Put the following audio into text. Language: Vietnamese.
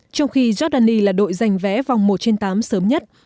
trong khi giordani là đội giành vé vòng một trên tám sớm nhất